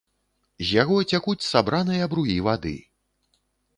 З яго цякуць сабраныя бруі вады.